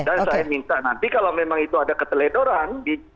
dan saya minta nanti kalau memang itu ada keteledoran